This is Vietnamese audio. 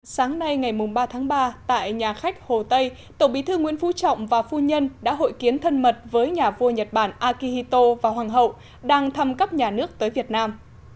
sáng nay ngày ba tháng ba tại nhà khách hồ tây tổng bí thư nguyễn phú trọng và phu nhân đã hội kiến thân mật với nhà vua nhật bản akihito và hoàng hậu đang thăm cấp nhà nước tới việt nam